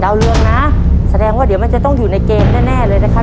เรืองนะแสดงว่าเดี๋ยวมันจะต้องอยู่ในเกณฑ์แน่แน่เลยนะครับ